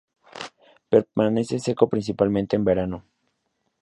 Permanece seco principalmente en verano.